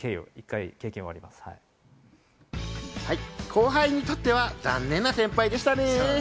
後輩にとっては残念な先輩でしたね。